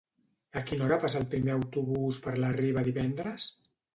A quina hora passa el primer autobús per la Riba divendres?